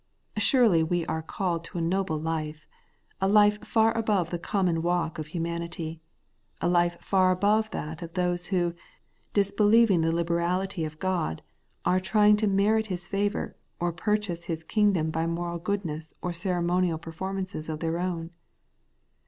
Surely we are called to a noble life ; a life far above the common walk of humanity; a life far above that of those who, disbelieving the liberality of God, are trying to merit His favour, or to purchase His kingdom by moral goodnesses or ceremonial performances of their own.